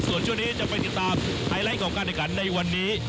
ส่วนช่วงนี้จะไปติดตามไฮไลท์ของการแข่งขันในวันนี้